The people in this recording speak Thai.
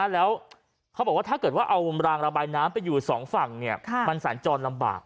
แล้วเขาบอกว่าถ้าเกิดว่าเอารางระบายน้ำไปอยู่สองฝั่งมันสัญจรลำบาก